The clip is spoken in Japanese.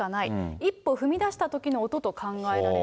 一歩踏み出したときの音と考えられる。